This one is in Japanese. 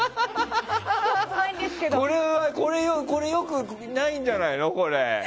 これ、良くないんじゃないの？